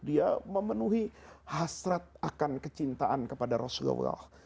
dia memenuhi hasrat akan kecintaan kepada rasulullah